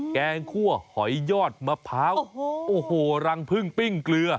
แกงคั่วหอยยอดมะพร้าวโอ้โหรังพึ่งปิ้งเกลือ